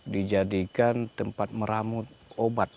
dijadikan tempat meramut obat